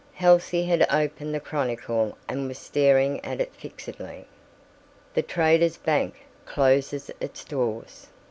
Halsey had opened the Chronicle and was staring at it fixedly. "The Traders' Bank closes its doors!"